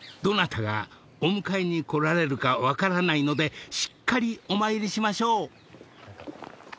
［どなたがお迎えに来られるか分からないのでしっかりお参りしましょう］